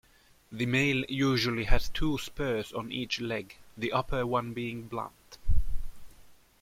The male usually has two spurs on each leg, the upper one being blunt.